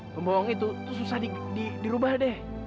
pembohongnya tuh susah dirubah deh